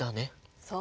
そう。